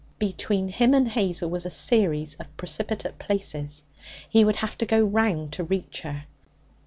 Between him and Hazel was a series of precipitous places. He would have to go round to reach her.